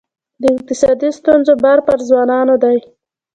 د اقتصادي ستونزو بار پر ځوانانو دی.